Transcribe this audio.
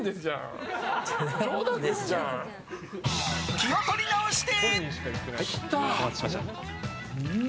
気を取り直して。